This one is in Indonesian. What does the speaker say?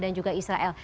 dan juga israel